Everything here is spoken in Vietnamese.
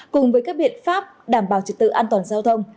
cùng với các biện pháp đảm bảo trật tự an toàn giao thông